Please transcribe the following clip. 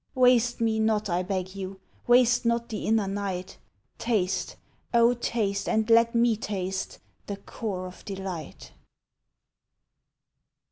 Waste me not, I beg you, waste Not the inner night: Taste, oh taste and let me taste The core of delight.